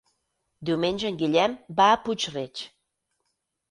Diumenge en Guillem va a Puig-reig.